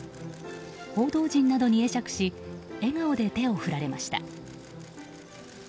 報道陣などに会釈し笑顔で手を振られました。